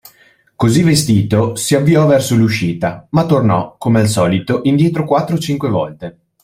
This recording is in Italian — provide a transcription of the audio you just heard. Così vestito, si avviò verso l’uscita, ma tornò, come al solito, indietro quattro o cinque volte